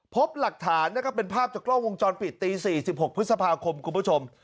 พบหลักฐานนะครับเป็นภาพจากกล้องวงจรปิดตี๔๖พฤษภาคมคุณผู้ชม